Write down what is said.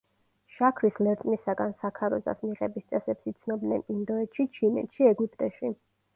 შაქრის ლერწმისაგან საქაროზას მიღების წესებს იცნობდნენ ინდოეთში, ჩინეთში, ეგვიპტეში.